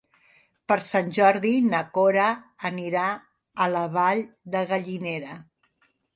Per Sant Jordi na Cora anirà a la Vall de Gallinera.